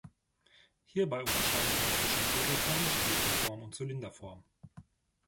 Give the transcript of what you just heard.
Hierbei unterscheidet man zwischen Kegelform, Stufenform und Zylinderform.